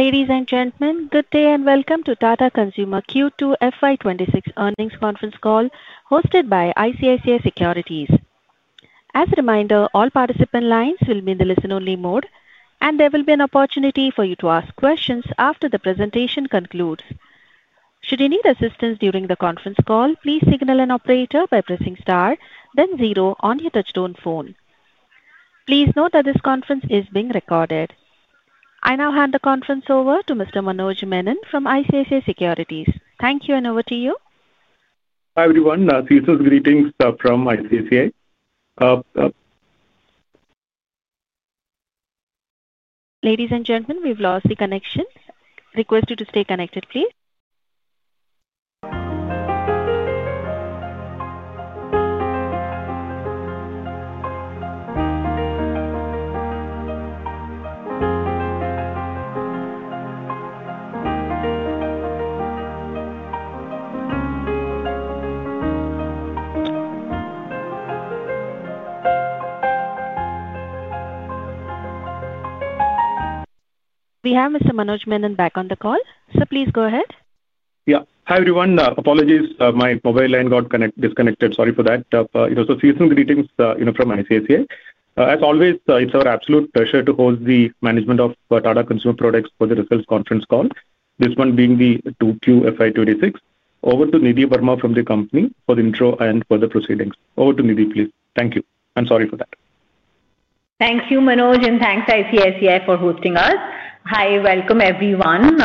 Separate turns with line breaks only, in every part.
Ladies and gentlemen, good day and welcome to Tata Consumer Q2 FY 2026 Earnings Conference Call hosted by ICICI Securities. As a reminder, all participant lines will be in the listen-only mode, and there will be an opportunity for you to ask questions after the presentation concludes. Should you need assistance during the conference call, please signal an operator by pressing star, then zero on your touchstone phone. Please note that this conference is being recorded. I now hand the conference over to Mr. Manoj Menon from ICICI Securities. Thank you, and over to you.
Hi, everyone. These are greetings from ICICI Securities.
Ladies and gentlemen, we've lost the connection. Request you to stay connected, please. We have Mr. Manoj Menon back on the call, so please go ahead.
Yeah. Hi, everyone. Apologies, my mobile line got disconnected. Sorry for that. It was a seasonal greetings from ICICI. As always, it's our absolute pleasure to host the management of Tata Consumer Products for the results conference call, this one being the Q2 FY 2026. Over to Nidhi Verma from the company for the intro and for the proceedings. Over to Nidhi, please. Thank you. I'm sorry for that.
Thank you, Manoj, and thanks to ICICI for hosting us. Hi, welcome, everyone.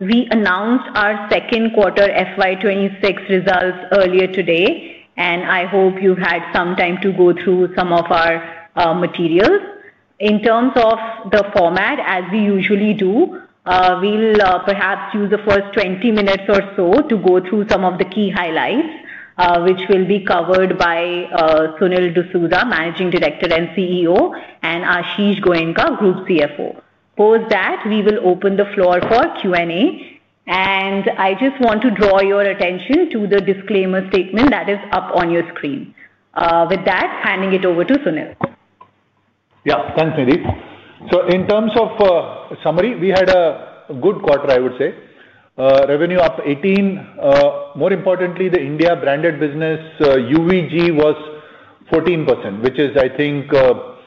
We announced our second quarter FY 2026 results earlier today, and I hope you've had some time to go through some of our materials. In terms of the format, as we usually do. We'll perhaps use the first 20 minutes or so to go through some of the key highlights, which will be covered by Sunil D’Souza, Managing Director and CEO, and Ashish Goenka, Group CFO. Post that, we will open the floor for Q&A, and I just want to draw your attention to the disclaimer statement that is up on your screen. With that, handing it over to Sunil.
Yeah. Thanks, Nidhi. In terms of summary, we had a good quarter, I would say. Revenue up 18%. More importantly, the India branded business, UVG, was 14%, which is, I think, a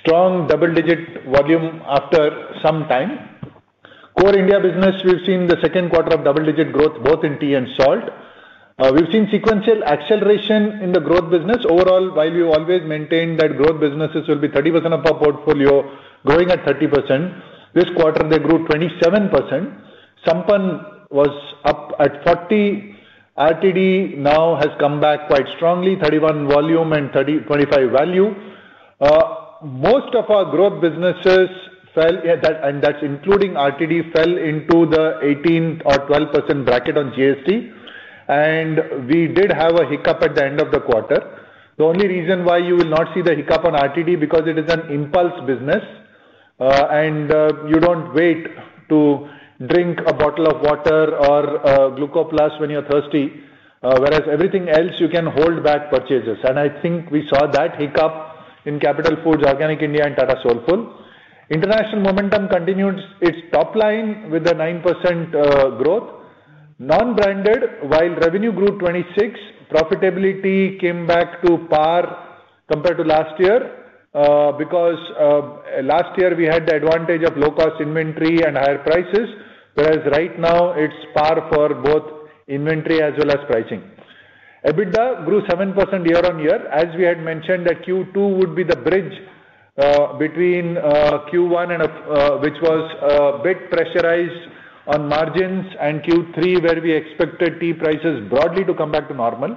strong double-digit volume after some time. Core India business, we've seen the second quarter of double-digit growth both in tea and salt. We've seen sequential acceleration in the growth business. Overall, while we always maintain that growth businesses will be 30% of our portfolio, growing at 30%, this quarter they grew 27%. Sampann was up at 40%. RTD now has come back quite strongly, 31% volume and 25% value. Most of our growth businesses, and that's including RTD, fell into the 18% or 12% bracket on GST. We did have a hiccup at the end of the quarter. The only reason why you will not see the hiccup on RTD is because it is an impulse business. You do not wait to drink a bottle of water or glucose when you're thirsty, whereas everything else, you can hold back purchases. I think we saw that hiccup in Capital Foods, Organic India, and Tata Soulful. International momentum continued its top line with a 9% growth. Non-branded, while revenue grew 26%, profitability came back to par compared to last year. Last year we had the advantage of low-cost inventory and higher prices, whereas right now it's par for both inventory as well as pricing. EBITDA grew 7% year-on-year. As we had mentioned, Q2 would be the bridge between Q1, which was a bit pressurized on margins, and Q3, where we expected tea prices broadly to come back to normal.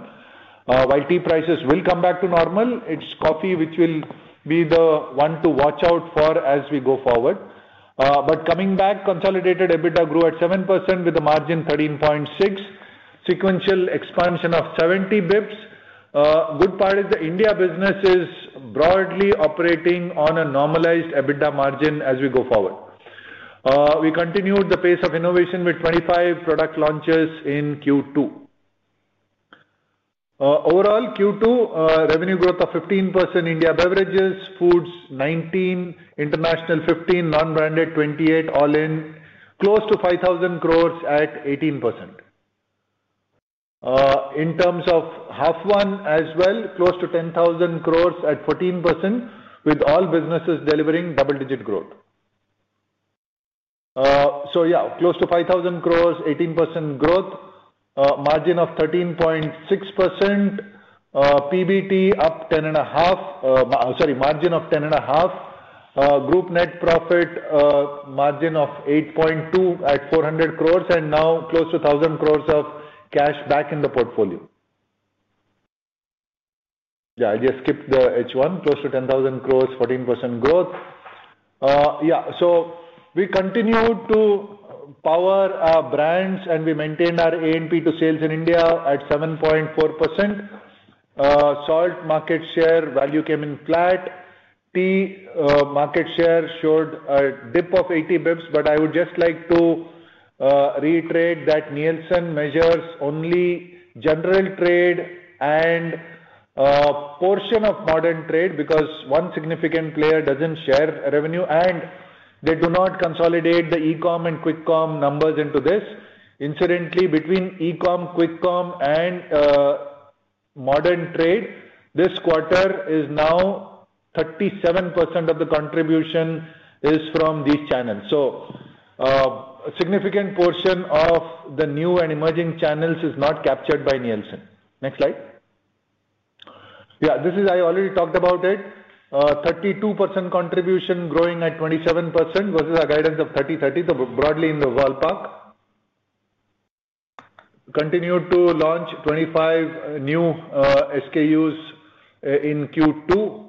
While tea prices will come back to normal, it's coffee, which will be the one to watch out for as we go forward. Coming back, consolidated EBITDA grew at 7% with a margin of 13.6%, sequential expansion of 70 basis points. Good part is the India business is broadly operating on a normalized EBITDA margin as we go forward. We continued the pace of innovation with 25 product launches in Q2. Overall, Q2 revenue growth of 15%, India Beverages, Foods 19%, International 15%, Non-Branded 28%, all in close to 5,000 crores at 18%. In terms of half one as well, close to 10,000 crores at 14%, with all businesses delivering double-digit growth. Yeah, close to 5,000 crores, 18% growth. Margin of 13.6%. PBT up 10.5, sorry, margin of 10.5. Group net profit margin of 8.2 at 400 crores, and now close to 1,000 crores of cash back in the portfolio. I just skipped the H1. Close to 10,000 crores, 14% growth. We continued to power our brands, and we maintained our A&P to sales in India at 7.4%. Salt market share value came in flat. Tea market share showed a dip of 80 basis points, but I would just like to reiterate that Nielsen measures only general trade and. A portion of modern trade because one significant player does not share revenue, and they do not consolidate the e-comm and quick-comm numbers into this. Incidentally, between e-comm, quick-comm, and modern trade, this quarter is now 37% of the contribution is from these channels. A significant portion of the new and emerging channels is not captured by Nielsen. Next slide. Yeah, this is I already talked about it. 32% contribution growing at 27% versus our guidance of 30/30, so broadly in the ballpark. Continued to launch 25 new SKUs in Q2.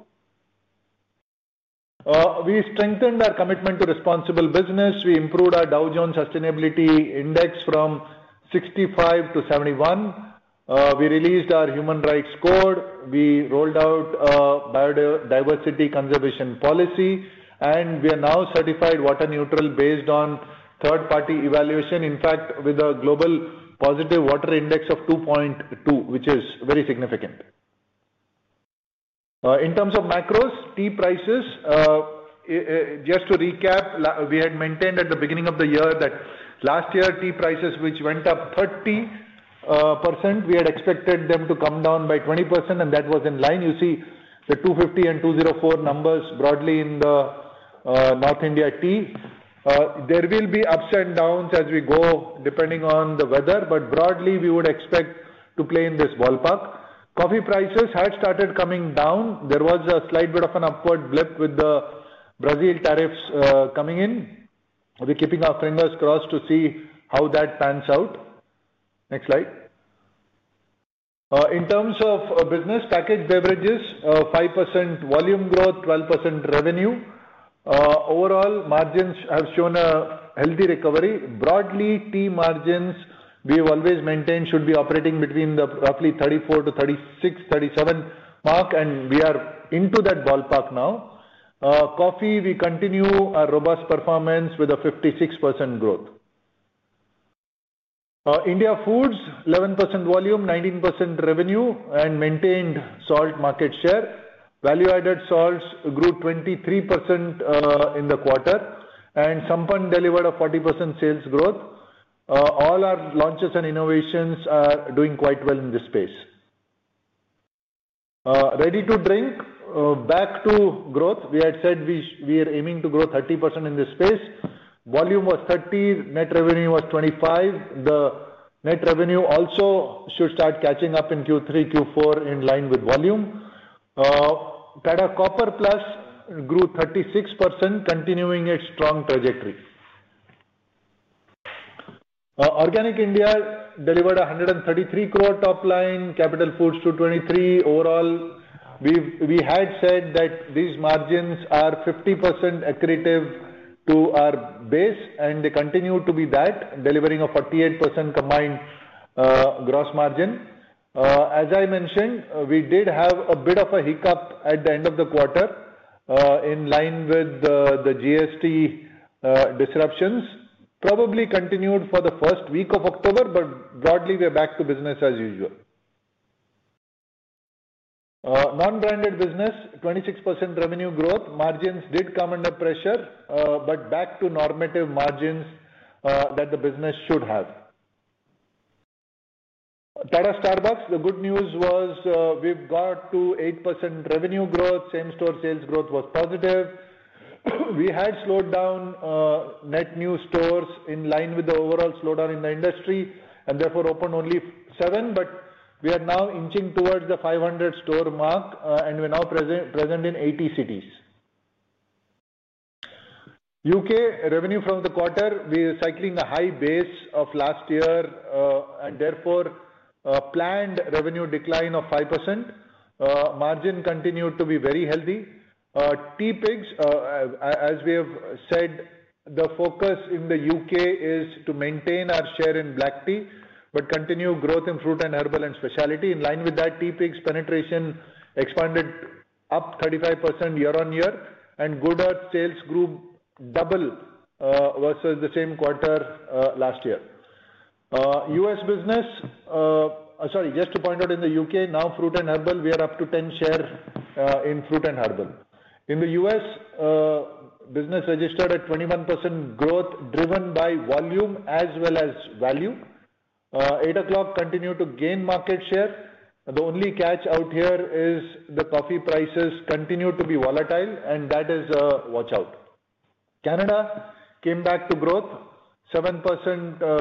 We strengthened our commitment to responsible business. We improved our Dow Jones Sustainability Index from 65 to 71. We released our human rights code. We rolled out a Biodiversity Conservation Policy, and we are now Certified Water Neutral based on third-party evaluation, in fact, with a Global Positive Water Index of 2.2, which is very significant. In terms of macros, tea prices. Just to recap, we had maintained at the beginning of the year that last year tea prices, which went up 30%, we had expected them to come down by 20%, and that was in line. You see the 250 and 204 numbers broadly in the North India tea. There will be ups and downs as we go depending on the weather, but broadly, we would expect to play in this ballpark. Coffee prices had started coming down. There was a slight bit of an upward blip with the Brazil tariffs coming in. We are keeping our fingers crossed to see how that pans out. Next slide. In terms of business Package Beverages, 5% volume growth, 12% revenue. Overall, margins have shown a healthy recovery. Broadly, tea margins we have always maintained should be operating between the roughly 34-36, 37 mark, and we are into that ballpark now. Coffee, we continue our robust performance with a 56% growth. India Foods, 11% volume, 19% revenue, and maintained salt market share. Value-added salts grew 23% in the quarter, and Sampann delivered a 40% sales growth. All our launches and innovations are doing quite well in this space. Ready to drink, back to growth. We had said we are aiming to grow 30% in this space. Volume was 30, net revenue was 25. The net revenue also should start catching up in Q3, Q4 in line with volume. Tata Copper+ grew 36%, continuing its strong trajectory. Organic India delivered 133 crore top line, Capital Foods 223 crore. Overall. We had said that these margins are 50% accretive to our base, and they continue to be that, delivering a 48% combined gross margin. As I mentioned, we did have a bit of a hiccup at the end of the quarter. In line with the GST disruptions, probably continued for the first week of October, but broadly, we are back to business as usual. Non-Branded Business, 26% revenue growth. Margins did come under pressure, but back to normative margins that the business should have. Tata Starbucks, the good news was we have got to 8% revenue growth. Same-store sales growth was positive. We had slowed down. Net new stores in line with the overall slowdown in the industry, and therefore opened only seven, but we are now inching towards the 500-store mark, and we are now present in 80 cities. U.K. revenue from the quarter, we are cycling a high base of last year, and therefore planned revenue decline of 5%. Margin continued to be very healthy. Teapigs, as we have said, the focus in the U.K. is to maintain our share in black tea, but continue growth in fruit and herbal and specialty. In line with that, Teapigs penetration expanded up 35% year-on-year, and Good Earth sales grew double versus the same quarter last year. U.S. business. Sorry, just to point out, in the U.K., now fruit and herbal, we are up to 10 share in fruit and herbal. In the U.S. business registered at 21% growth driven by volume as well as value. Eight O’Clock continued to gain market share. The only catch out here is the coffee prices continue to be volatile, and that is a watch out. Canada came back to growth, 7%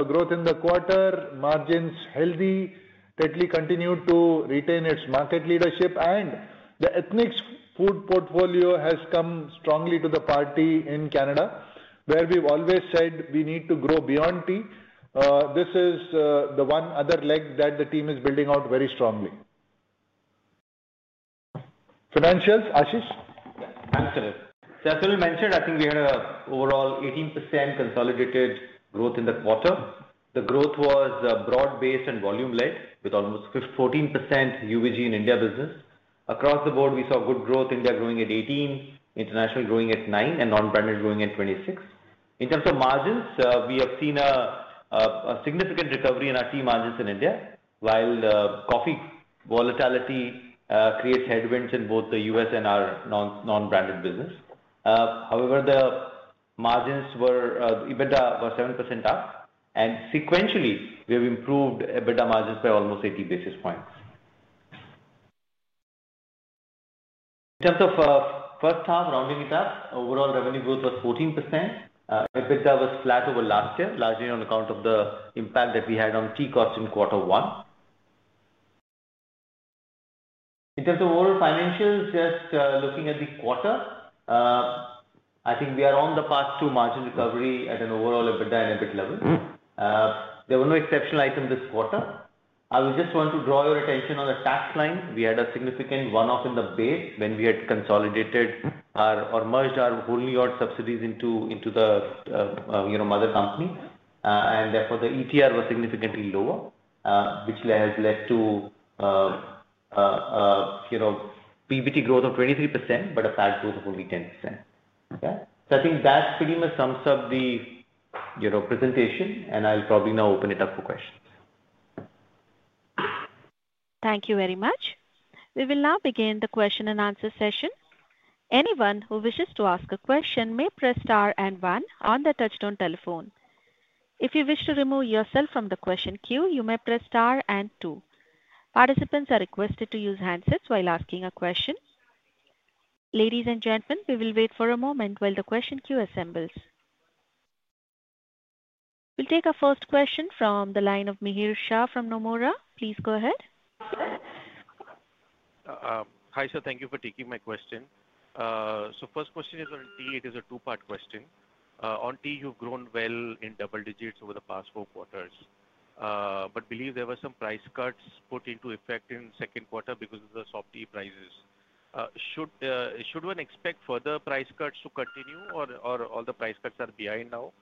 growth in the quarter, margins healthy, Tetley continued to retain its market leadership, and the ethnic food portfolio has come strongly to the party in Canada, where we have always said we need to grow beyond tea. This is the one other leg that the team is building out very strongly. Financials, Ashish?
Thanks, Sunil. As Sunil mentioned, I think we had an overall 18% consolidated growth in the quarter. The growth was broad-based and volume-led, with almost 14% UVG in India business. Across the board, we saw good growth, India growing at 18%, International growing at 9%, and Non-Branded growing at 26%. In terms of margins, we have seen a significant recovery in our tea margins in India, while coffee volatility creates headwinds in both the U.S. and our non-branded business. However, the margins were, EBITDA was 7% up, and sequentially, we have improved EBITDA margins by almost 80 basis points. In terms of first half rounding it up, overall revenue growth was 14%. EBITDA was flat over last year, largely on account of the impact that we had on tea costs in quarter one. In terms of overall financials, just looking at the quarter, I think we are on the path to margin recovery at an overall EBITDA and EBIT level. There were no exceptional items this quarter. I would just want to draw your attention on the tax line. We had a significant one-off in the base when we had consolidated or merged our whole New York subsidies into the mother company, and therefore the ETR was significantly lower, which has led to PBT growth of 23%, but a PAT growth of only 10%. Okay? I think that pretty much sums up the presentation, and I'll probably now open it up for questions.
Thank you very much. We will now begin the question and answer session. Anyone who wishes to ask a question may press star and one on the touchstone telephone. If you wish to remove yourself from the question queue, you may press star and two. Participants are requested to use handsets while asking a question. Ladies and gentlemen, we will wait for a moment while the question queue assembles. We'll take our first question from the line of Mihir Shah from Nomura. Please go ahead.
Hi, sir. Thank you for taking my question. First question is on tea. It is a two-part question. On tea, you've grown well in double-digits over the past four quarters. I believe there were some price cuts put into effect in the second quarter because of the soft tea prices. Should one expect further price cuts to continue, or all the price cuts are behind now?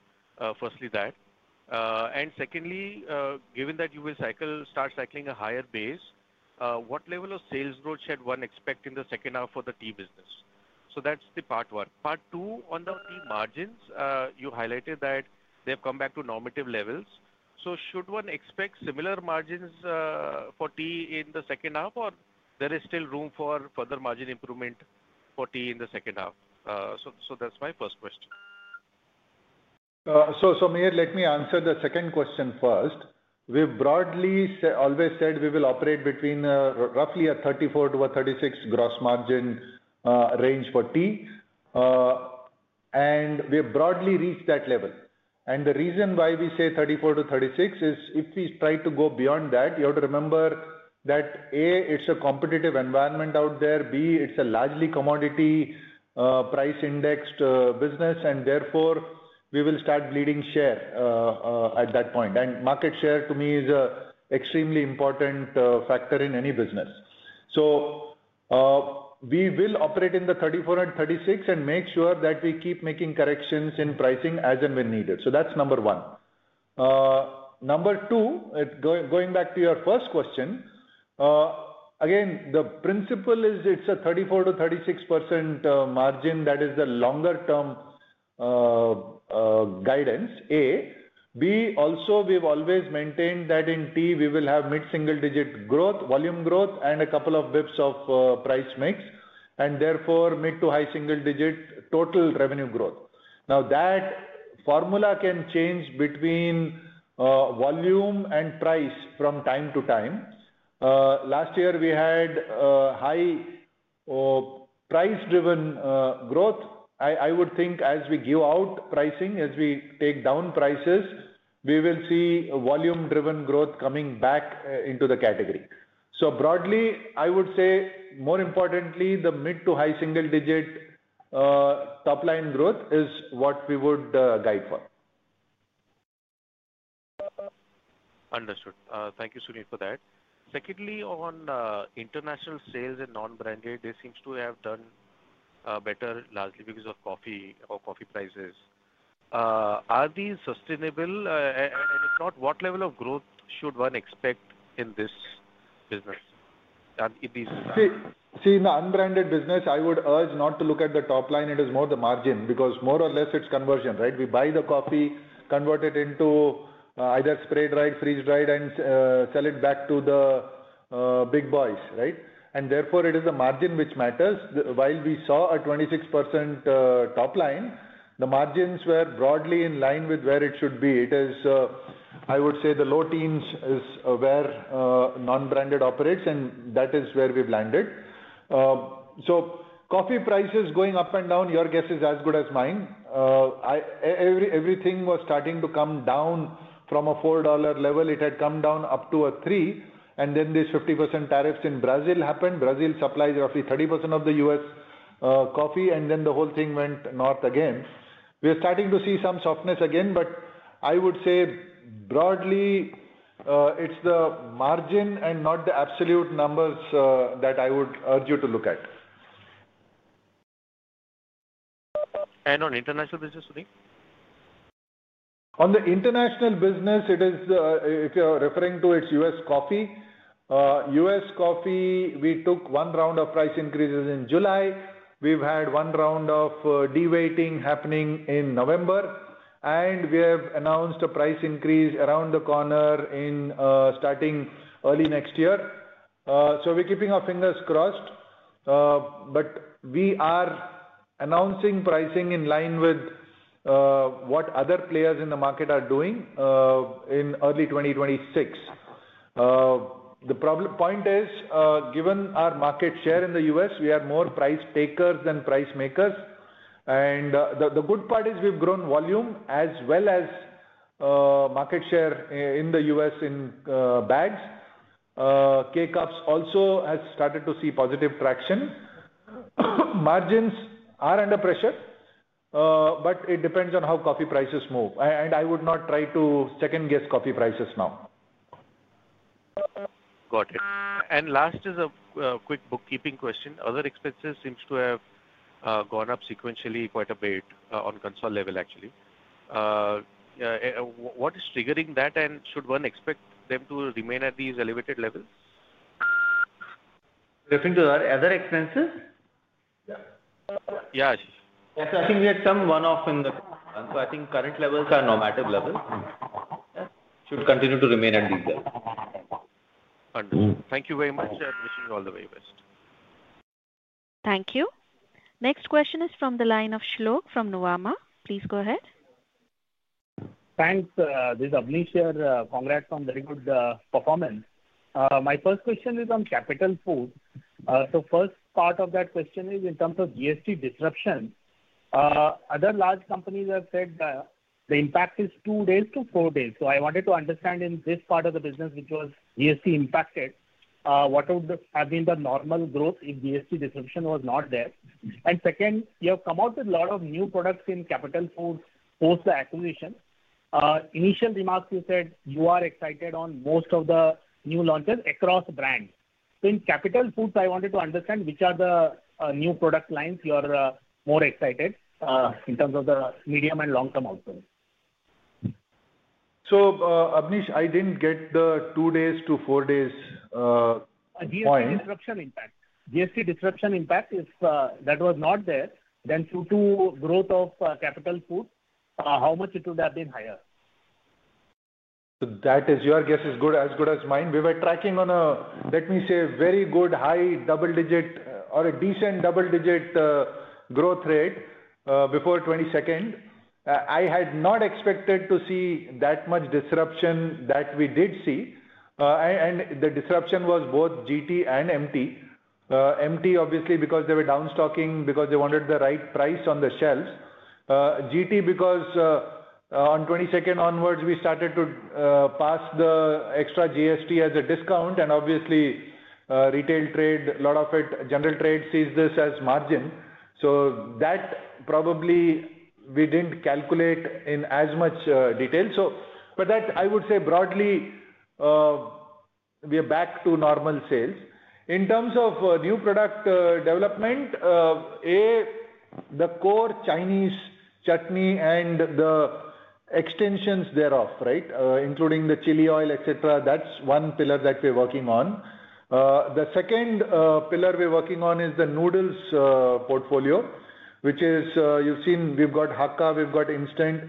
Firstly, that. Secondly, given that you will start cycling a higher base, what level of sales growth should one expect in the second half for the tea business? That is part one. Part two, on the tea margins, you highlighted that they have come back to normative levels. Should one expect similar margins for tea in the second half, or is there still room for further margin improvement for tea in the second half? That is my first question.
Let me answer the second question first. We have broadly always said we will operate between roughly a 34%-36% gross margin range for tea, and we have broadly reached that level. The reason why we say 34%-36% is if we try to go beyond that, you have to remember that, A, it is a competitive environment out there, B, it is a largely commodity price-indexed business, and therefore we will start bleeding share at that point. Market share to me is an extremely important factor in any business. We will operate in the 34%-36% and make sure that we keep making corrections in pricing as and when needed. That is number one. Number two, going back to your first question, again, the principle is it is a 34%-36% margin. That is the longer-term guidance, A. B, also we have always maintained that in tea we will have mid-single-digit volume growth and a couple of basis points of price mix, and therefore mid-to-high single-digit total revenue growth. Now, that formula can change between volume and price from time to time. Last year, we had high price-driven growth. I would think as we give out pricing, as we take down prices, we will see volume-driven growth coming back into the category. More importantly, the mid-to-high single-digit top-line growth is what we would guide for.
Understood. Thank you, Sunil, for that. Secondly, on International sales and Non-Branded, they seem to have done better largely because of coffee or coffee prices. Are these sustainable? If not, what level of growth should one expect in this business?
See, in the unbranded business, I would urge not to look at the top line. It is more the margin because more or less it's conversion, right? We buy the coffee, convert it into either spray dried, freeze dried, and sell it back to the big boys, right? Therefore, it is the margin which matters. While we saw a 26% top line, the margins were broadly in line with where it should be. It is, I would say, the low teens is where Non-Branded operates, and that is where we've landed. Coffee prices going up and down, your guess is as good as mine. Everything was starting to come down from a $4 level. It had come down up to a $3, and then these 50% tariffs in Brazil happened. Brazil supplies roughly 30% of the U.S. coffee, and then the whole thing went north again. We are starting to see some softness again, but I would say broadly it's the margin and not the absolute numbers that I would urge you to look at.
On international business, Sunil?
On the International business, it is, if you're referring to its U.S. coffee, U.S. coffee, we took one round of price increases in July. We've had one round of de-weighting happening in November, and we have announced a price increase around the corner starting early next year. We are keeping our fingers crossed. We are announcing pricing in line with what other players in the market are doing. In early 2026. The point is, given our market share in the U.S., we are more price takers than price makers. The good part is we've grown volume as well as market share in the U.S. in bags. K-cups also has started to see positive traction. Margins are under pressure. It depends on how coffee prices move. I would not try to second-guess coffee prices now.
Got it. Last is a quick bookkeeping question. Other expenses seem to have gone up sequentially quite a bit on console level, actually. What is triggering that, and should one expect them to remain at these elevated levels?
Definitely, are there other expenses?
Yeah, Ashish.
Yeah, so I think we had some one-off in the past. I think current levels are normative levels. Should continue to remain at these levels.
Understood. Thank you very much. I wish you all the very best.
Thank you. Next question is from the line of Shilok from Nuvama. Please go ahead. Thanks, this is [Abneesh] here. Congrats on very good performance. My first question is on Capital Foods. The first part of that question is in terms of GST disruption. Other large companies have said the impact is two days to four days. I wanted to understand in this part of the business, which was GST impacted, what would have been the normal growth if GST disruption was not there. Second, you have come out with a lot of new products in Capital Foods post the acquisition. In your initial remarks, you said you are excited on most of the new launches across brands. In Capital Foods, I wanted to understand which are the new product lines you are more excited about in terms of the medium and long-term output.
[Abneesh], I didn't get the two days to four days. GST disruption impact. GST disruption impact, if that was not there, then through to growth of Capital Foods, how much it would have been higher? That is, your guess is as good as mine. We were tracking on a, let me say, very good high double-digit or a decent double-digit growth rate before 22nd. I had not expected to see that much disruption that we did see. The disruption was both GT and MT. MT, obviously, because they were downstocking, because they wanted the right price on the shelves. GT, because on 22nd onwards, we started to pass the extra GST as a discount, and obviously retail trade, a lot of it, general trade sees this as margin. That probably we did not calculate in as much detail. That, I would say, broadly, we are back to normal sales. In terms of new product development, A, the core Chinese chutney and the extensions thereof, right? Including the chili oil, et cetera. That is one pillar that we are working on. The second pillar we are working on is the noodles portfolio, which is, you have seen, we have got Hakka, we have got Instant.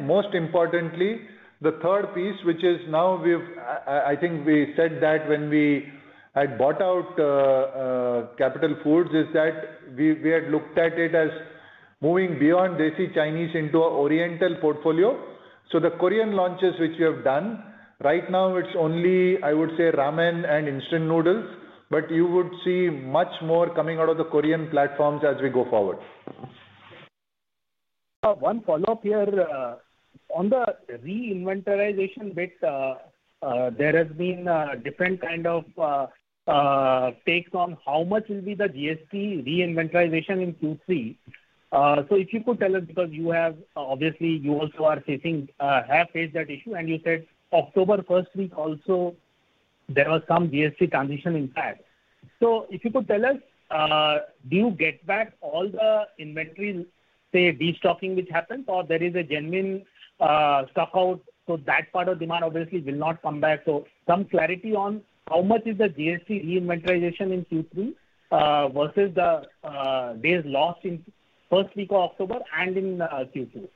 Most importantly, the third piece, which is now we have, I think we said that when we had bought out Capital Foods, is that we had looked at it as moving beyond Desi-Chinese into an oriental portfolio. The Korean launches which we have done, right now it is only, I would say, ramen and instant noodles, but you would see much more coming out of the Korean platforms as we go forward. One follow-up here. On the reinventorization bit. There has been different kind of takes on how much will be the GST reinventorization in Q3. If you could tell us, because you have obviously, you also are facing, have faced that issue, and you said October first week also. There was some GST transition impact. If you could tell us, do you get back all the inventory, say, destocking which happened, or there is a genuine stock out? That part of demand obviously will not come back. Some clarity on how much is the GST reinventorization in Q3 versus the days lost in first week of October and in Q2?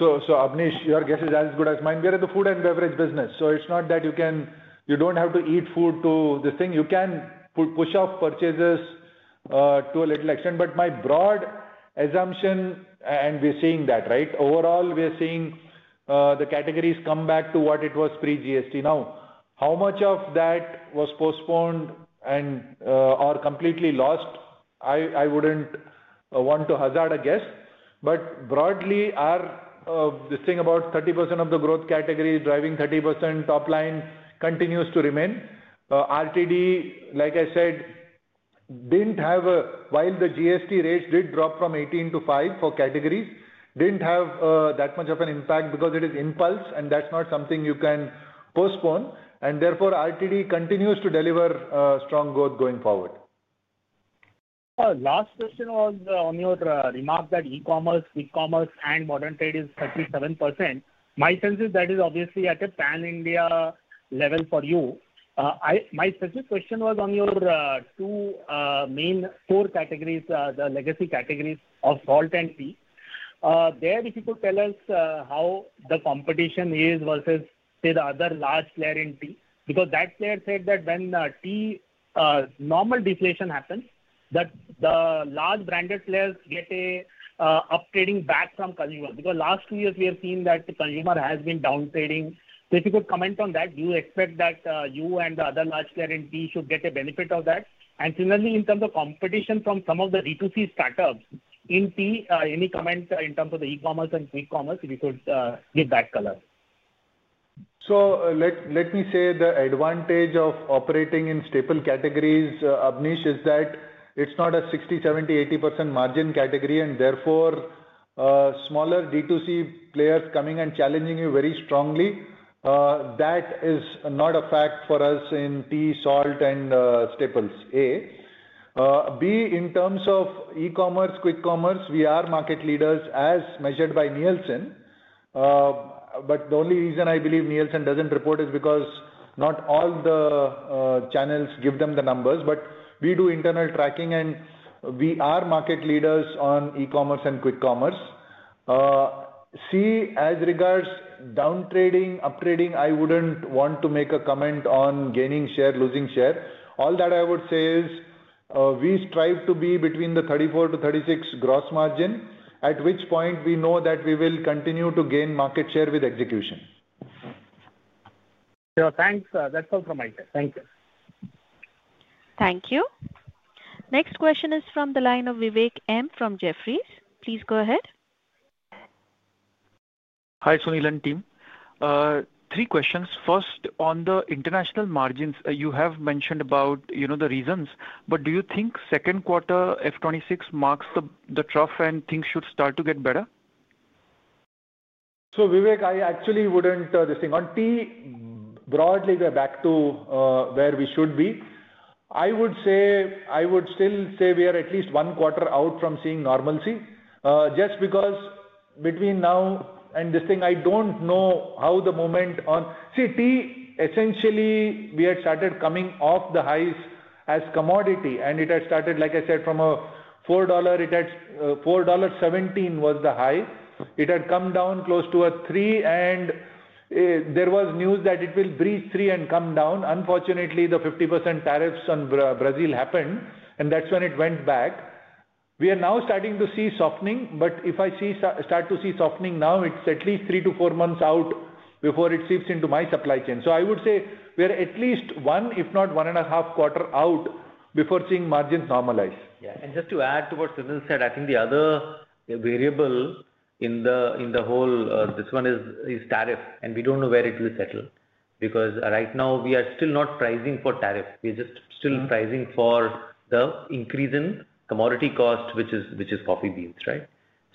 [Abneesh], your guess is as good as mine. We are in the food and beverage business. It is not that you can, you do not have to eat food to this thing. You can push off purchases to a little extent. My broad assumption, and we are seeing that, right? Overall, we are seeing the categories come back to what it was pre-GST. Now, how much of that was postponed and/or completely lost, I would not want to hazard a guess. Broadly, this thing about 30% of the growth category driving 30% top line continues to remain. RTD, like I said, did not have a, while the GST rates did drop from 18% to 5% for categories, did not have that much of an impact because it is impulse, and that is not something you can postpone. Therefore, RTD continues to deliver strong growth going forward. Last question was on your remark that e-commerce, quick commerce, and modern trade is 37%. My sense is that is obviously at a Pan India level for you. My specific question was on your two main core categories, the legacy categories of salt and tea. There, if you could tell us how the competition is versus, say, the other large player in tea. Because that player said that when tea normal deflation happens, that the large branded players get an uptrading back from consumers. Because last two years, we have seen that the consumer has been downtrading. If you could comment on that, do you expect that you and the other large player in tea should get a benefit of that? Similarly, in terms of competition from some of the B2C startups in tea, any comment in terms of the e-commerce and quick commerce, if you could give that color? Let me say the advantage of operating in staple categories, [Abneesh], is that it's not a 60%, 70%, 80% margin category, and therefore smaller D2C players coming and challenging you very strongly. That is not a fact for us in tea, salt, and staples, A. B, in terms of e-commerce, quick commerce, we are market leaders as measured by Nielsen. The only reason I believe Nielsen doesn't report is because not all the channels give them the numbers, but we do internal tracking, and we are market leaders on e-commerce and quick commerce. C, as regards downtrading, uptrading, I wouldn't want to make a comment on gaining share, losing share. All that I would say is we strive to be between the 34%-36% gross margin, at which point we know that we will continue to gain market share with execution. Thanks. That's all from my side. Thank you.
Thank you. Next question is from the line of Vivek M from Jefferies. Please go ahead.
Hi, Sunil and team. Three questions. First, on the international margins, you have mentioned about the reasons, but do you think second quarter FY 2026 marks the trough and things should start to get better?
Vivek, I actually would not this thing. On tea, broadly, we are back to where we should be. I would say, I would still say we are at least one quarter out from seeing normalcy. Just because between now and this thing, I do not know how the moment on see, tea, essentially, we had started coming off the highs as commodity, and it had started, like I said, from a $4.17 was the high. It had come down close to a $3, and there was news that it will breach $3 and come down. Unfortunately, the 50% tariffs on Brazil happened, and that is when it went back. We are now starting to see softening, but if I start to see softening now, it is at least three to four months out before it seeps into my supply chain. I would say we are at least one, if not one and a half quarter out before seeing margins normalize.
Yeah. Just to add to what Sunil said, I think the other variable in the whole this one is tariff, and we do not know where it will settle. Because right now, we are still not pricing for tariff. We are just still pricing for the increase in commodity cost, which is coffee beans, right?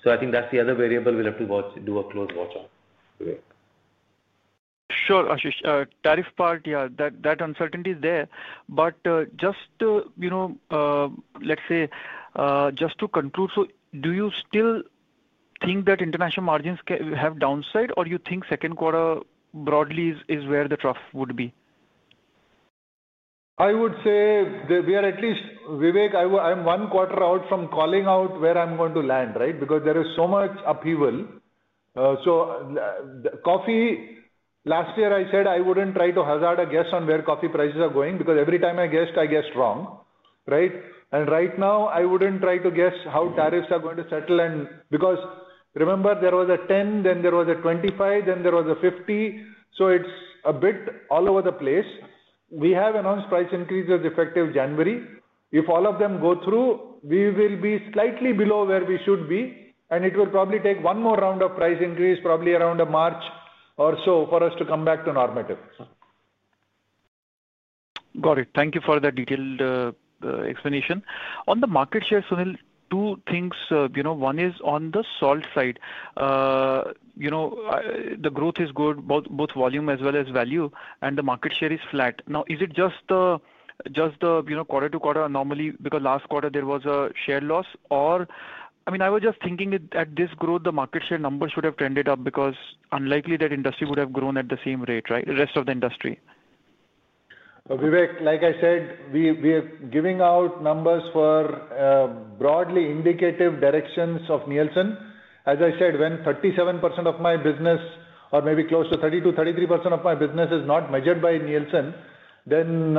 I think that is the other variable we will have to do a close watch on.
Sure, Ashish. Tariff part, yeah, that uncertainty is there. Just to, let's say, just to conclude, do you still think that international margins have downside, or you think second quarter broadly is where the trough would be?
I would say we are at least, Vivek, I'm one quarter out from calling out where I'm going to land, right? Because there is so much upheaval. Coffee, last year I said I wouldn't try to hazard a guess on where coffee prices are going because every time I guessed, I guessed wrong, right? Right now, I wouldn't try to guess how tariffs are going to settle. Because remember, there was a 10%, then there was a 25%, then there was a 50%. It's a bit all over the place. We have announced price increases effective January. If all of them go through, we will be slightly below where we should be. It will probably take one more round of price increase, probably around a March or so, for us to come back to normative.
Got it. Thank you for the detailed explanation. On the market share, Sunil, two things. One is on the salt side. The growth is good, both volume as well as value, and the market share is flat. Now, is it just the quarter to quarter anomaly because last quarter there was a share loss? Or, I mean, I was just thinking that at this growth, the market share number should have trended up because unlikely that industry would have grown at the same rate, right? Rest of the industry?
Vivek, like I said, we are giving out numbers for broadly indicative directions of Nielsen. As I said, when 37% of my business, or maybe close to 30%-33% of my business is not measured by Nielsen, then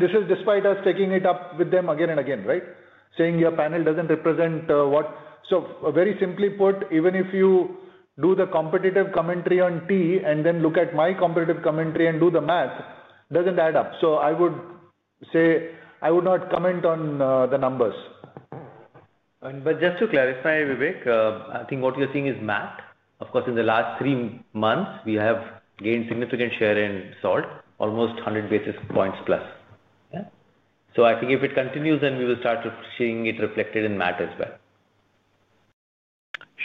this is despite us taking it up with them again and again, right? Saying your panel does not represent what. Very simply put, even if you do the competitive commentary on tea and then look at my competitive commentary and do the math, it does not add up. I would say I would not comment on the numbers.
Just to clarify, Vivek, I think what you're seeing is math. Of course, in the last three months, we have gained significant share in salt, almost +100 basis points. I think if it continues, then we will start seeing it reflected in math as well.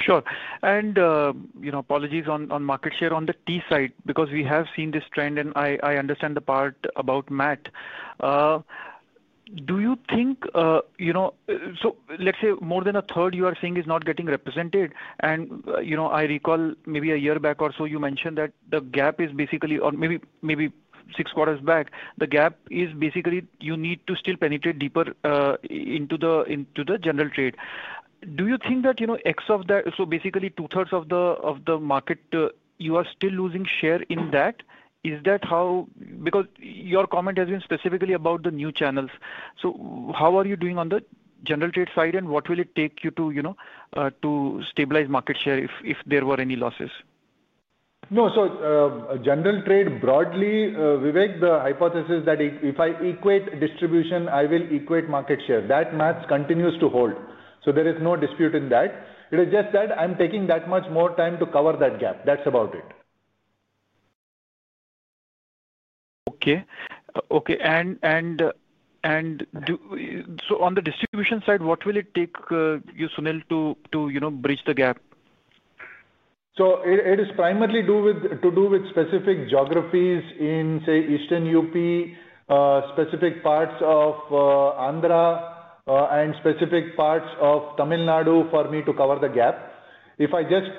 Sure. Apologies on market share on the tea side, because we have seen this trend, and I understand the part about math. Do you think, let's say, more than a third you are seeing is not getting represented? I recall maybe a year back or so, you mentioned that the gap is basically, or maybe six quarters back, the gap is basically you need to still penetrate deeper into the general trade. Do you think that x of that, so basically two-thirds of the market, you are still losing share in that? Is that how? Because your comment has been specifically about the new channels. How are you doing on the general trade side, and what will it take you to stabilize market share if there were any losses?
No, so general trade broadly, Vivek, the hypothesis that if I equate distribution, I will equate market share. That math continues to hold. There is no dispute in that. It is just that I'm taking that much more time to cover that gap. That's about it.
Okay. Okay. And on the distribution side, what will it take you, Sunil, to bridge the gap?
It is primarily to do with specific geographies in, say, Eastern UP, specific parts of Andhra, and specific parts of Tamil Nadu for me to cover the gap. If I just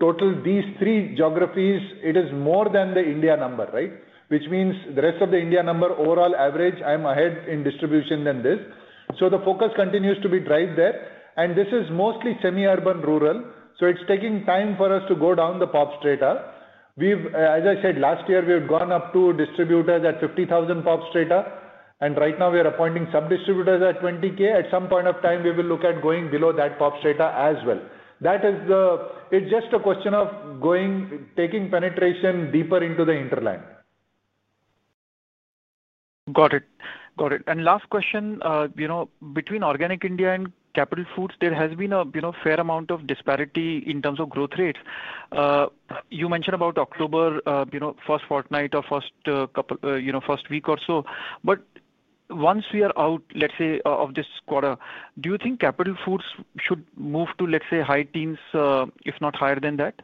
total these three geographies, it is more than the India number, right? Which means the rest of the India number, overall average, I'm ahead in distribution than this. The focus continues to be drive there. This is mostly semi-urban rural. It is taking time for us to go down the pop-strata. As I said, last year, we had gone up to distributors at 50,000 pop-strata. Right now, we are appointing sub-distributors at 20,000. At some point of time, we will look at going below that pop-strata as well. It is just a question of taking penetration deeper into the hinterland.
Got it. Got it. Last question. Between Organic India and Capital Foods, there has been a fair amount of disparity in terms of growth rates. You mentioned about October, first fortnight or first week or so. Once we are out, let's say, of this quarter, do you think Capital Foods should move to, let's say, high teens, if not higher than that?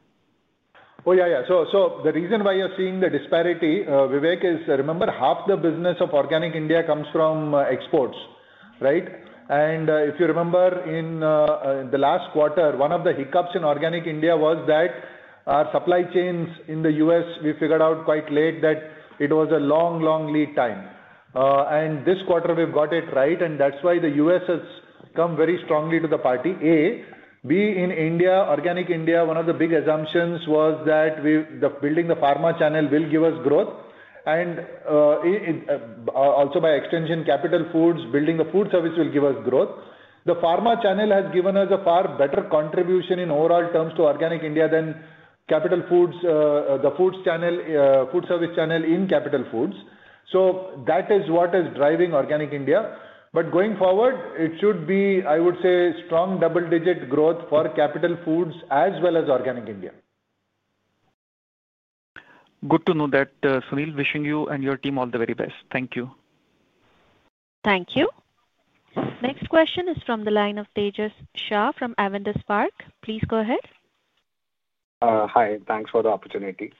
Oh, yeah, yeah. The reason why you're seeing the disparity, Vivek, is remember half the business of Organic India comes from exports, right? If you remember in the last quarter, one of the hiccups in Organic India was that our supply chains in the U.S., we figured out quite late that it was a long, long lead time. This quarter, we've got it right, and that's why the U.S. has come very strongly to the party, A. B, in India, Organic India, one of the big assumptions was that building the pharma channel will give us growth. Also by extension, Capital Foods, building the food service will give us growth. The pharma channel has given us a far better contribution in overall terms to Organic India than Capital Foods, the food service channel in Capital Foods. That is what is driving Organic India. Going forward, it should be, I would say, strong double-digit growth for Capital Foods as well as Organic India.
Good to know that. Sunil, wishing you and your team all the very best. Thank you.
Thank you. Next question is from the line of [Tejas Shah] from Avendus Spark. Please go ahead. Hi. Thanks for the opportunity.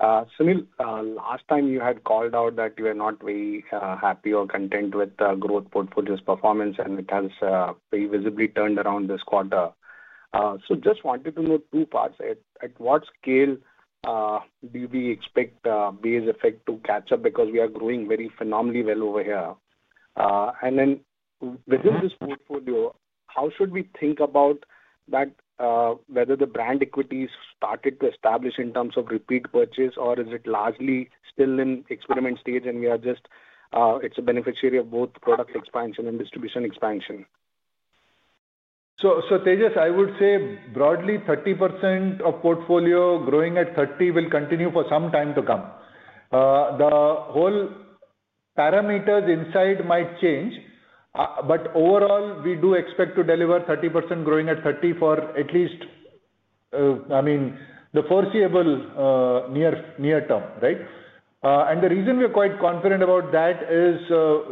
Sunil, last time you had called out that you are not very happy or content with the growth portfolio's performance, and it has very visibly turned around this quarter. Just wanted to know two parts. At what scale do we expect [BSF] to catch up? Because we are growing very phenomenally well over here. Within this portfolio, how should we think about that? Whether the brand equity has started to establish in terms of repeat purchase, or is it largely still in experiment stage and we are just, it's a beneficiary of both product expansion and distribution expansion?
[Tejas], I would say broadly 30% of portfolio growing at 30 will continue for some time to come. The whole parameters inside might change, but overall, we do expect to deliver 30% growing at 30 for at least, I mean, the foreseeable near term, right? The reason we are quite confident about that is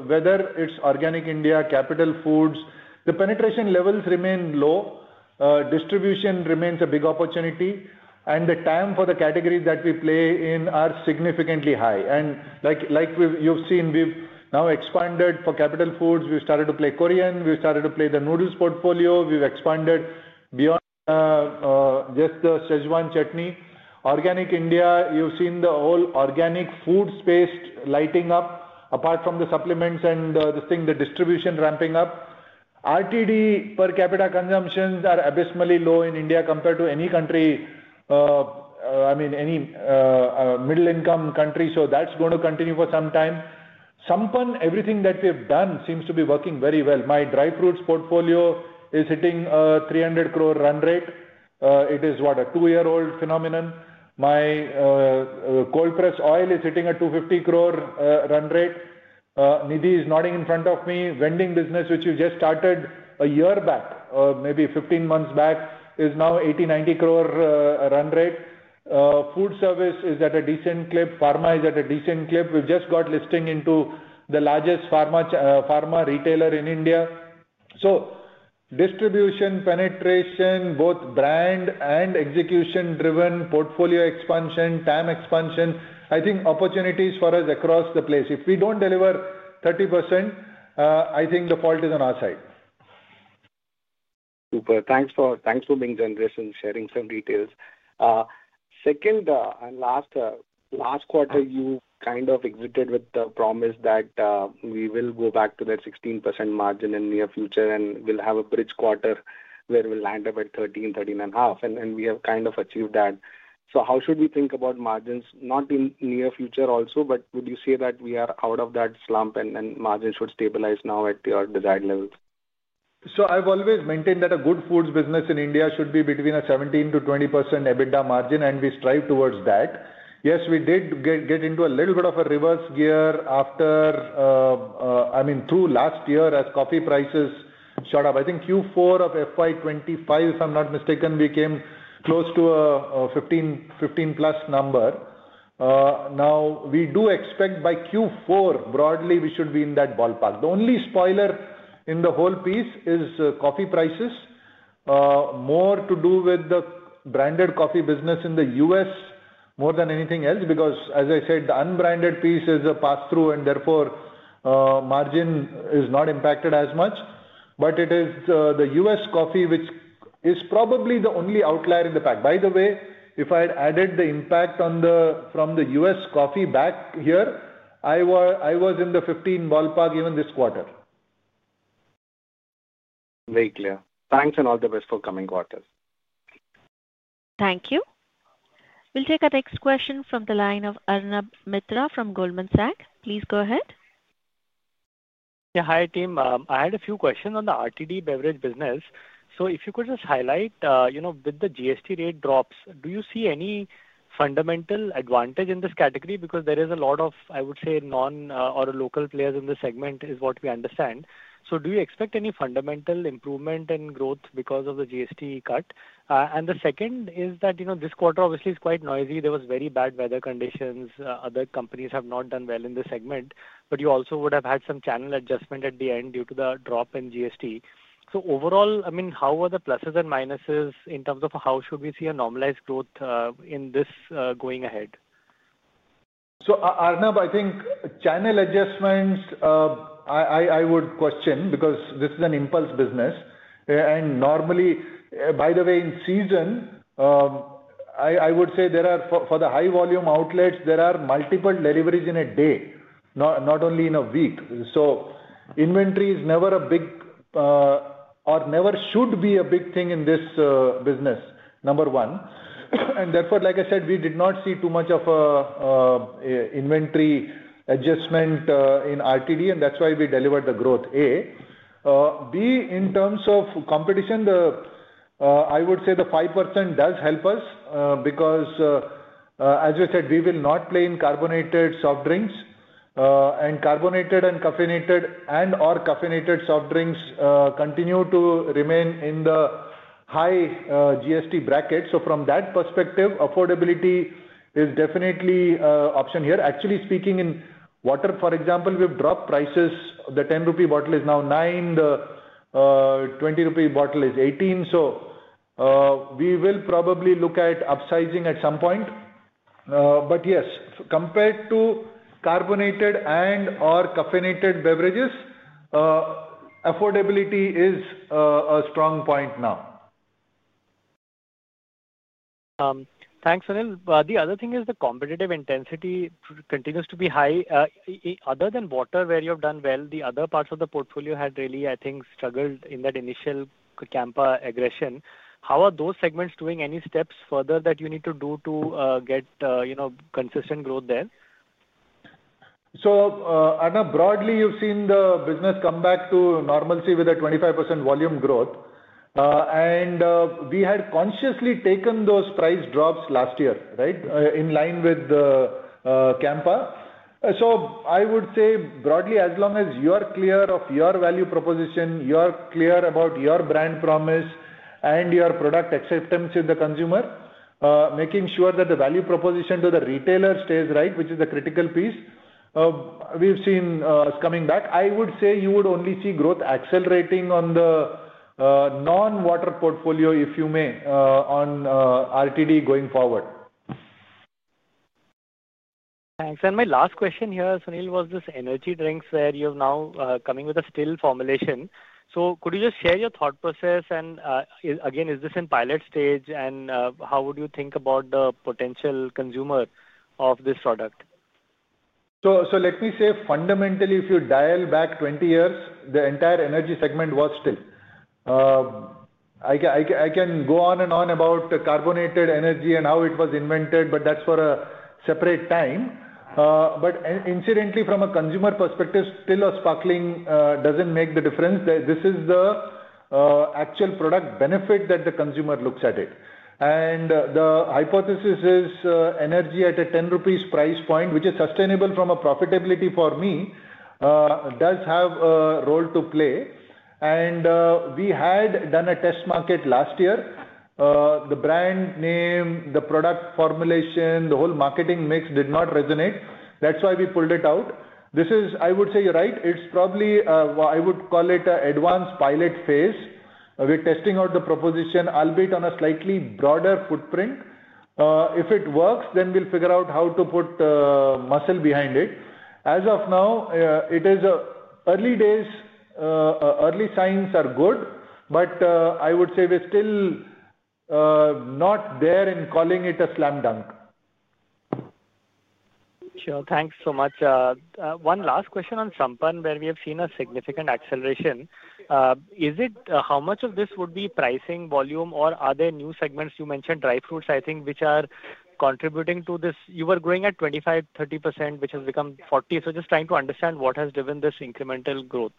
whether it's Organic India, Capital Foods, the penetration levels remain low, distribution remains a big opportunity, and the time for the categories that we play in are significantly high. Like you've seen, we've now expanded for Capital Foods, we've started to play Korean, we've started to play the noodles portfolio, we've expanded beyond just the Schezwan chutney. Organic India, you've seen the whole organic food space lighting up, apart from the supplements and this thing, the distribution ramping up. RTD per capita consumptions are abysmally low in India compared to any country, I mean, any middle-income country, so that's going to continue for some time. Sampann, everything that we have done seems to be working very well. My dry fruits portfolio is hitting an 300 crore run rate. It is, what, a two-year-old phenomenon. My cold-pressed oil is hitting an 250 crore run rate. Nidhi is nodding in front of me. Vending business, which we just started a year back, maybe 15 months back, is now 80-90 crore run rate. Food service is at a decent clip. Pharma is at a decent clip. We've just got listing into the largest pharma retailer in India. Distribution, penetration, both brand and execution-driven portfolio expansion, time expansion, I think opportunities for us across the place. If we don't deliver 30%, I think the fault is on our side. Super. Thanks for being generous and sharing some details. Second and last quarter, you kind of exited with the promise that we will go back to that 16% margin in the near future and we'll have a bridge quarter where we'll land up at 13-13.5. And we have kind of achieved that. How should we think about margins, not in near future also, but would you say that we are out of that slump and margin should stabilize now at your desired level? I've always maintained that a good foods business in India should be between a 17%-20% EBITDA margin, and we strive towards that. Yes, we did get into a little bit of a reverse gear after, I mean, through last year as coffee prices shot up. I think Q4 of FY 2025, if I'm not mistaken, we came close to a +15 number. Now, we do expect by Q4, broadly, we should be in that ballpark. The only spoiler in the whole piece is coffee prices. More to do with the branded coffee business in the U.S. more than anything else, because, as I said, the unbranded piece is a pass-through and therefore margin is not impacted as much. It is the U.S. coffee, which is probably the only outlier in the pack. By the way, if I had added the impact from the U.S. coffee back here, I was in the 15 ballpark even this quarter. Very clear. Thanks and all the best for coming quarters.
Thank you. We'll take a next question from the line of Arnab Mitra from Goldman Sachs. Please go ahead.
Yeah, hi team. I had a few questions on the RTD Beverage business. If you could just highlight, with the GST rate drops, do you see any fundamental advantage in this category? Because there is a lot of, I would say, non- or local players in the segment is what we understand. Do you expect any fundamental improvement in growth because of the GST cut? The second is that this quarter obviously is quite noisy. There were very bad weather conditions. Other companies have not done well in the segment. You also would have had some channel adjustment at the end due to the drop in GST. Overall, I mean, how were the pluses and minuses in terms of how should we see a normalized growth in this going ahead?
Arnab, I think channel adjustments, I would question because this is an impulse business. Normally, by the way, in season, I would say for the high-volume outlets, there are multiple deliveries in a day, not only in a week. Inventory is never a big, or never should be a big thing in this business, number one. Therefore, like I said, we did not see too much of inventory adjustment in RTD, and that's why we delivered the growth, A. B, in terms of competition, I would say the 5% does help us because, as we said, we will not play in carbonated soft drinks. Caffeinated and/or caffeinated soft drinks continue to remain in the high GST bracket. From that perspective, affordability is definitely an option here. Actually speaking, in water, for example, we've dropped prices. The 10 rupee bottle is now 9. The 20 rupee bottle is 18. We will probably look at upsizing at some point. Yes, compared to carbonated and/or caffeinated beverages, affordability is a strong point now.
Thanks, Sunil. The other thing is the competitive intensity continues to be high. Other than water, where you have done well, the other parts of the portfolio had really, I think, struggled in that initial Campa aggression. How are those segments doing? Any steps further that you need to do to get consistent growth there?
Arnab, broadly, you've seen the business come back to normalcy with a 25% volume growth. We had consciously taken those price drops last year, right, in line with Campa. I would say broadly, as long as you are clear of your value proposition, you are clear about your brand promise and your product acceptance with the consumer, making sure that the value proposition to the retailer stays right, which is the critical piece. We've seen us coming back. I would say you would only see growth accelerating on the non-water portfolio, if you may, on RTD going forward.
Thanks. My last question here, Sunil, was this energy drinks where you're now coming with a still formulation. Could you just share your thought process? Again, is this in pilot stage? How would you think about the potential consumer of this product?
Let me say fundamentally, if you dial back 20 years, the entire energy segment was still. I can go on and on about carbonated energy and how it was invented, but that is for a separate time. Incidentally, from a consumer perspective, still a sparkling does not make the difference. This is the actual product benefit that the consumer looks at. The hypothesis is energy at a 10 rupees price point, which is sustainable from a profitability for me, does have a role to play. We had done a test market last year. The brand name, the product formulation, the whole marketing mix did not resonate. That is why we pulled it out. I would say you are right. It is probably, I would call it an advanced pilot phase. We are testing out the proposition, albeit on a slightly broader footprint. If it works, then we will figure out how to put the muscle behind it. As of now, it is early days. Early signs are good, but I would say we are still not there in calling it a slam dunk.
Sure. Thanks so much. One last question on Sampann, where we have seen a significant acceleration. How much of this would be pricing, volume, or are there new segments? You mentioned dry fruits, I think, which are contributing to this. You were growing at 25%-30%, which has become 40%. Just trying to understand what has driven this incremental growth.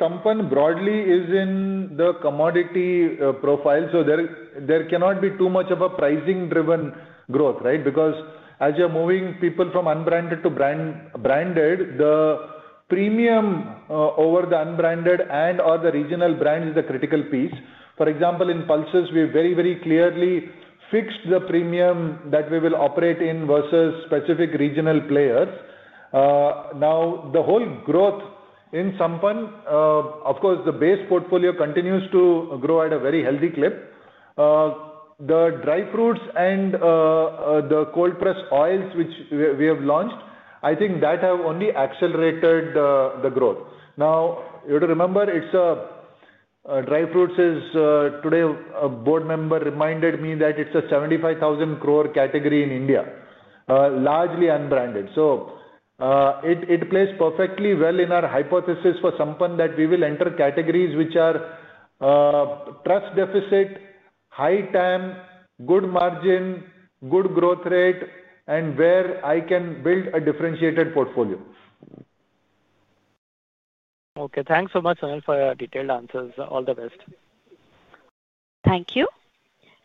Sampann broadly is in the commodity profile. There cannot be too much of a pricing-driven growth, right? Because as you're moving people from unbranded to branded, the Premium over the unbranded and/or the regional brand is the critical piece. For example, in pulses, we very, very clearly fixed the Premium that we will operate in versus specific regional players. Now, the whole growth in Sampann, of course, the base portfolio continues to grow at a very healthy clip. The dry fruits and the cold-pressed oils, which we have launched, I think that has only accelerated the growth. You have to remember, dry fruits is today, a board member reminded me that it's an 75,000 crore category in India. Largely unbranded. It plays perfectly well in our hypothesis for Sampann that we will enter categories which are trust deficit, high TAM, good margin, good growth rate, and where I can build a differentiated portfolio.
Okay. Thanks so much, Sunil, for your detailed answers. All the best.
Thank you.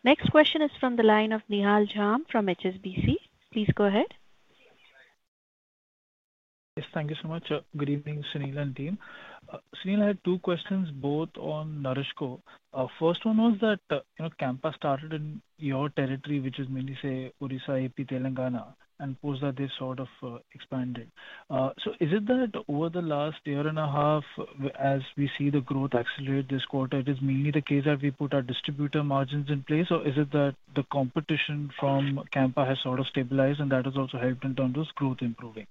Next question is from the line of Nihal Jam from HSBC. Please go ahead.
Yes, thank you so much. Good evening, Sunil and team. Sunil, I had two questions, both on NourishCo. First one was that Campa started in your territory, which is mainly, say, Odisha, Andhra Pradesh, Telangana, and post that they sort of expanded. Is it that over the last year and a half, as we see the growth accelerate this quarter, it is mainly the case that we put our distributor margins in place? Or is it that the competition from Campa has sort of stabilized and that has also helped in terms of growth improving?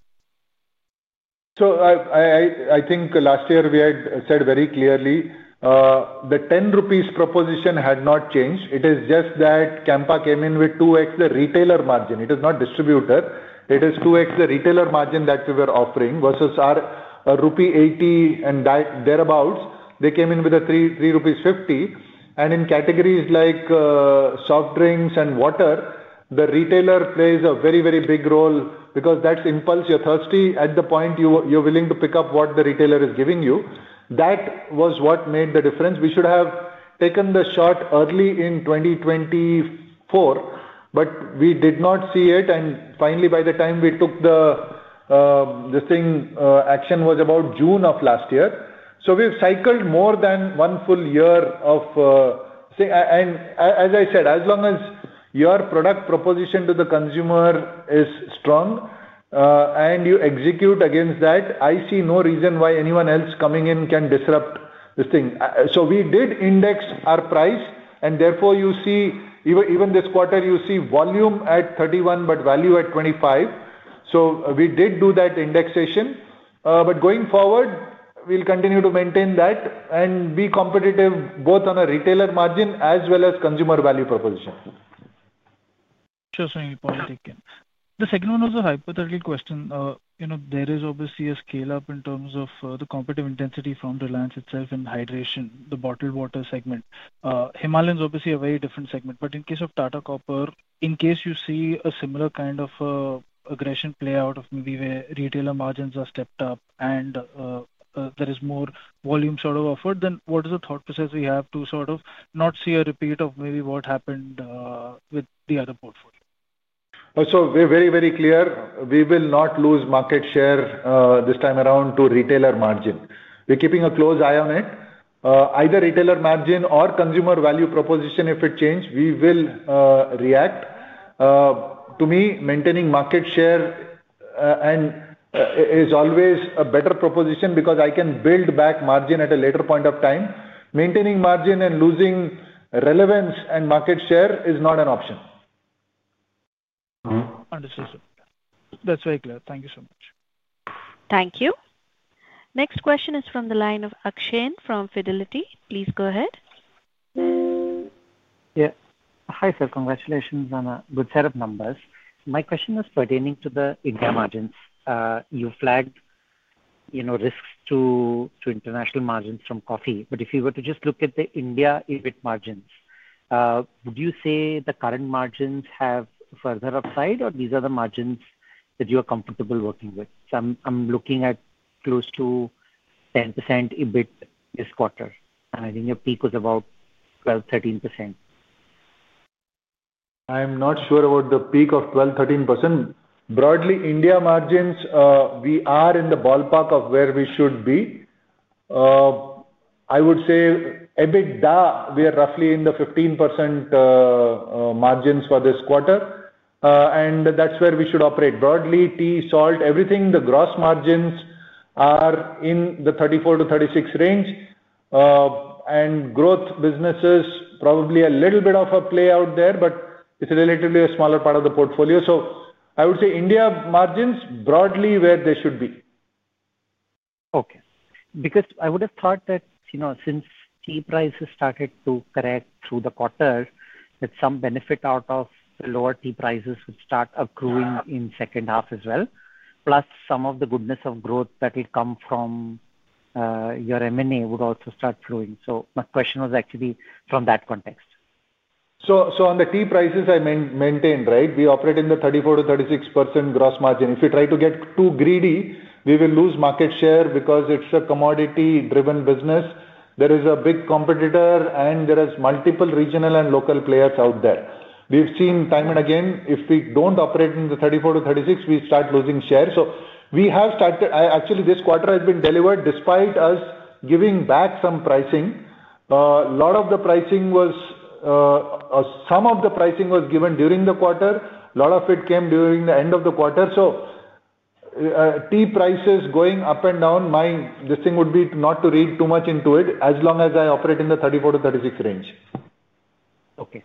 I think last year we had said very clearly. The 10 rupees proposition had not changed. It is just that Campa came in with 2x the retailer margin. It is not distributor. It is 2x the retailer margin that we were offering versus our rupee 8 and thereabouts. They came in with a 3.50 rupees. In categories like soft drinks and water, the retailer plays a very, very big role because that impulses your thirsty at the point you are willing to pick up what the retailer is giving you. That was what made the difference. We should have taken the shot early in 2024, but we did not see it. Finally, by the time we took the action, it was about June of last year. We have cycled more than one full year. As I said, as long as your product proposition to the consumer is strong and you execute against that, I see no reason why anyone else coming in can disrupt this thing. We did index our price. Therefore, you see, even this quarter, you see volume at 31 but value at 25. We did do that indexation. Going forward, we will continue to maintain that and be competitive both on a retailer margin as well as consumer value proposition.
Sure, Sunil. The second one was a hypothetical question. There is obviously a scale-up in terms of the competitive intensity from Reliance itself and hydration, the bottled water segment. Himalayan is obviously a very different segment. In case of Tata Copper+, in case you see a similar kind of aggression play out of maybe where retailer margins are stepped up and there is more volume sort of offered, then what is the thought process we have to sort of not see a repeat of maybe what happened with the other portfolio?
We're very, very clear. We will not lose market share this time around to retailer margin. We're keeping a close eye on it. Either retailer margin or consumer value proposition, if it changed, we will react. To me, maintaining market share is always a better proposition because I can build back margin at a later point of time. Maintaining margin and losing relevance and market share is not an option.
Understood, sir. That's very clear. Thank you so much.
Thank you. Next question is from the line of Akshay from Fidelity. Please go ahead. Yeah. Hi, sir. Congratulations on a good set of numbers. My question was pertaining to the India margins. You flagged risks to international margins from coffee. If you were to just look at the India EBIT margins, would you say the current margins have further upside or these are the margins that you are comfortable working with? I am looking at close to 10% EBIT this quarter, and I think your peak was about 12%-13%.
I'm not sure about the peak of 12%-13%. Broadly, India margins, we are in the ballpark of where we should be. I would say EBITDA, we are roughly in the 15% margins for this quarter. That's where we should operate. Broadly, tea, salt, everything, the gross margins are in the 34%-36% range. Growth businesses, probably a little bit of a play out there, but it's relatively a smaller part of the portfolio. I would say India margins, broadly where they should be. Okay. Because I would have thought that since tea prices started to correct through the quarter, that some benefit out of the lower tea prices would start accruing in second half as well. Plus, some of the goodness of growth that will come from your M&A would also start flowing. My question was actually from that context. On the tea prices, I maintained, right? We operate in the 34%-36% gross margin. If we try to get too greedy, we will lose market share because it's a commodity-driven business. There is a big competitor, and there are multiple regional and local players out there. We've seen time and again, if we don't operate in the 34%-36%, we start losing share. We have started. Actually, this quarter has been delivered despite us giving back some pricing. A lot of the pricing was. Some of the pricing was given during the quarter. A lot of it came during the end of the quarter. Tea prices going up and down, this thing would be not to read too much into it as long as I operate in the 34%-36% range. Okay.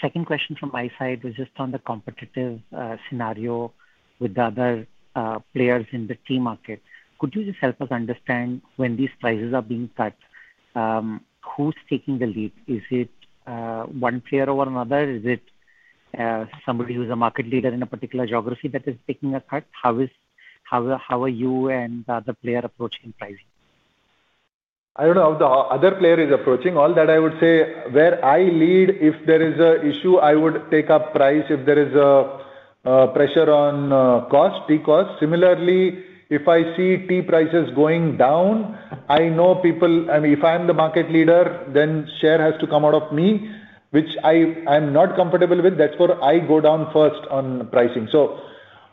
Second question from my side was just on the competitive scenario with the other players in the tea market. Could you just help us understand when these prices are being cut? Who's taking the lead? Is it one player over another? Is it somebody who's a market leader in a particular geography that is taking a cut? How are you and the other player approaching pricing? I don't know how the other player is approaching. All that I would say, where I lead, if there is an issue, I would take up price if there is a pressure on tea cost. Similarly, if I see tea prices going down, I know people, and if I'm the market leader, then share has to come out of me, which I'm not comfortable with. That is where I go down first on pricing.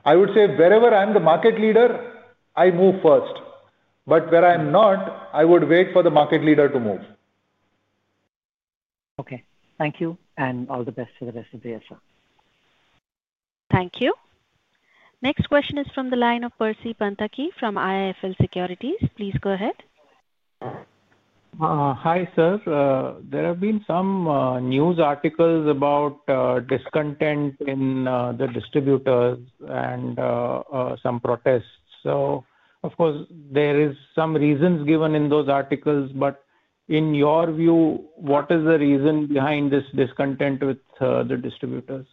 I would say wherever I'm the market leader, I move first. Where I'm not, I would wait for the market leader to move. Okay. Thank you. All the best for the rest of the year, sir.
Thank you. Next question is from the line of Percy Panthaki from IIFL Securities. Please go ahead.
Hi, sir. There have been some news articles about discontent in the distributors and some protests. Of course, there are some reasons given in those articles. In your view, what is the reason behind this discontent with the distributors?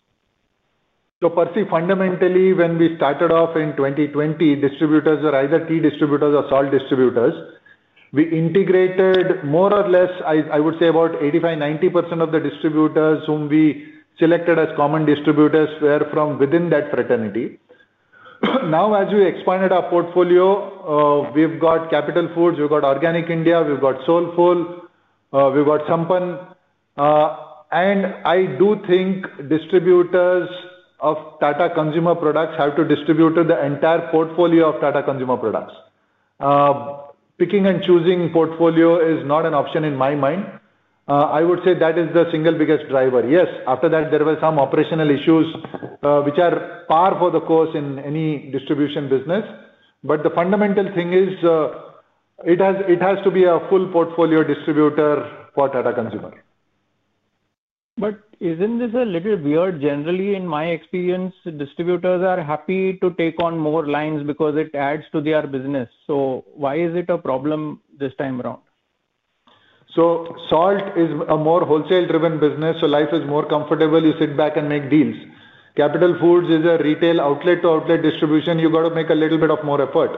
Percy, fundamentally, when we started off in 2020, distributors were either tea distributors or salt distributors. We integrated more or less, I would say, about 85%-90% of the distributors whom we selected as common distributors were from within that fraternity. Now, as we expanded our portfolio, we've got Capital Foods, we've got Organic India, we've got Soulful, we've got Sampann. I do think distributors of Tata Consumer Products have to distribute the entire portfolio of Tata Consumer Products. Picking and choosing portfolio is not an option in my mind. I would say that is the single biggest driver. Yes, after that, there were some operational issues which are par for the course in any distribution business. The fundamental thing is it has to be a full portfolio distributor for Tata Consumer.
Isn't this a little weird? Generally, in my experience, distributors are happy to take on more lines because it adds to their business. So why is it a problem this time around?
Salt is a more wholesale-driven business. Life is more comfortable. You sit back and make deals. Capital Foods is a retail outlet-to-outlet distribution. You got to make a little bit more effort.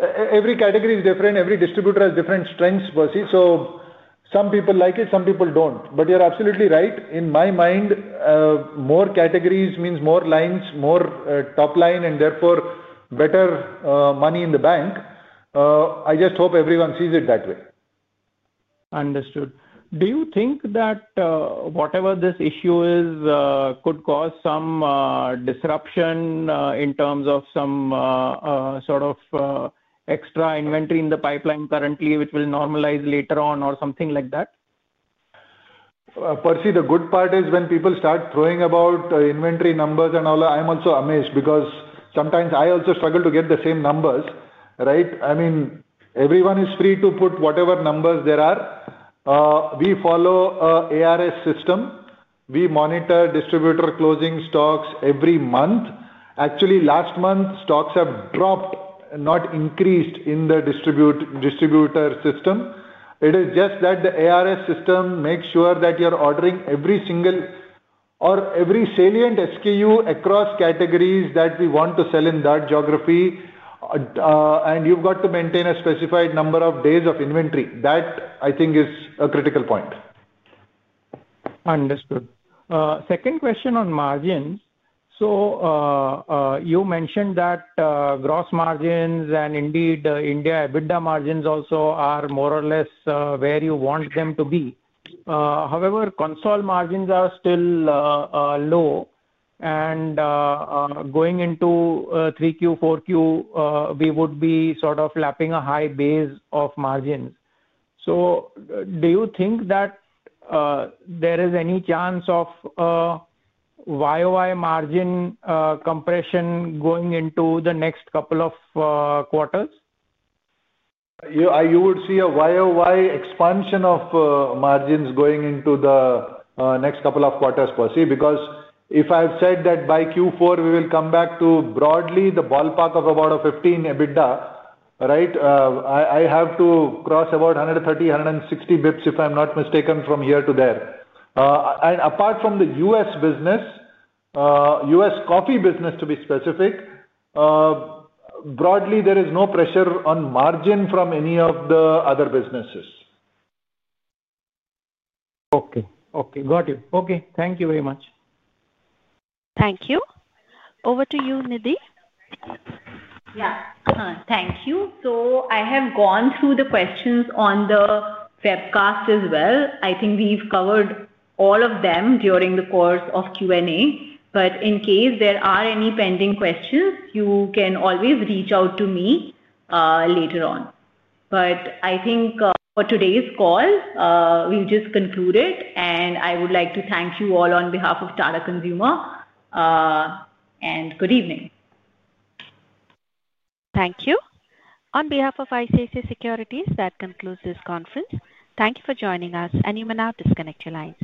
Every category is different. Every distributor has different strengths, Percy. Some people like it, some people do not. You are absolutely right. In my mind, more categories means more lines, more top line, and therefore better money in the bank. I just hope everyone sees it that way.
Understood. Do you think that whatever this issue is could cause some disruption in terms of some sort of extra inventory in the pipeline currently, which will normalize later on or something like that?
Percy, the good part is when people start throwing about inventory numbers and all that, I'm also amazed because sometimes I also struggle to get the same numbers, right? I mean, everyone is free to put whatever numbers there are. We follow an ARS system. We monitor distributor closing stocks every month. Actually, last month, stocks have dropped, not increased in the distributor system. It is just that the ARS system makes sure that you're ordering every single or every salient SKU across categories that we want to sell in that geography. And you've got to maintain a specified number of days of inventory. That, I think, is a critical point.
Understood. Second question on margins. You mentioned that gross margins and indeed India EBITDA margins also are more or less where you want them to be. However, console margins are still low. Going into 3Q, 4Q, we would be sort of lapping a high base of margins. Do you think that there is any chance of YoY margin compression going into the next couple of quarters?
You would see a year-on-year expansion of margins going into the next couple of quarters, Percy, because if I've said that by Q4, we will come back to broadly the ballpark of about a 15% EBITDA, right? I have to cross about 130-160 basis points if I'm not mistaken from here to there. Apart from the U.S. business, U.S. coffee business to be specific, broadly, there is no pressure on margin from any of the other businesses.
Okay. Okay. Got you. Okay. Thank you very much.
Thank you. Over to you, Nidhi.
Yeah. Thank you. I have gone through the questions on the webcast as well. I think we have covered all of them during the course of Q&A. In case there are any pending questions, you can always reach out to me later on. I think for today's call, we will just conclude it. I would like to thank you all on behalf of Tata Consumer. Good evening.
Thank you. On behalf of ICICI Securities, that concludes this conference. Thank you for joining us. You may now disconnect your lines.